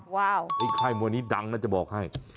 ว้าวค่ายมวยนี้ดังนะจะบอกให้